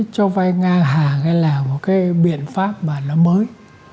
cho vay ngang hàng là một cái biện pháp mà nó mới